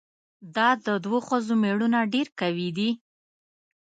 دا د دوو ښځو ميړونه ډېر قوي دي؟